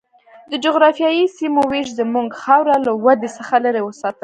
د جغرافیایي سیمو وېش زموږ خاوره له ودې څخه لرې وساتله.